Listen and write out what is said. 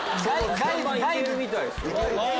行けるみたいです。